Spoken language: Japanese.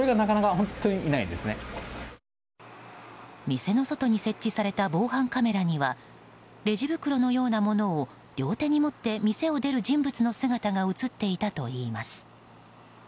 店の外に設置された防犯カメラにはレジ袋のようなものを両手に持って店を出る人物の姿が映っていたといいます。